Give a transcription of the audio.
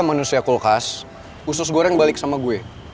manusia kulkas usus goreng balik sama gue